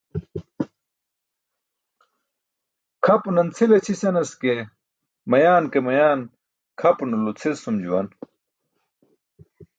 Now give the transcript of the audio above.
Kʰapunan cʰil aćʰi senas ke, mayan ke mayan kʰapunulo cʰil sum juwan.